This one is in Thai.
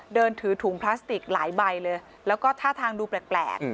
เดินถือถุงพลาสติกหลายใบเลยแล้วก็ท่าทางดูแปลก